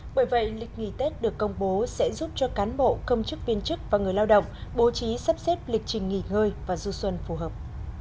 bởi vậy lịch nghỉ tết được công bố sẽ giúp cho cán bộ công chức viên chức và người lao động bố trí sắp xếp lịch trình nghỉ ngơi và du xuân phù hợp